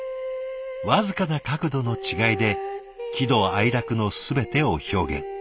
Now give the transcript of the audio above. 僅かな角度の違いで喜怒哀楽の全てを表現。